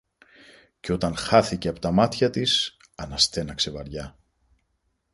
Και όταν χάθηκε από τα μάτια της, αναστέναξε βαριά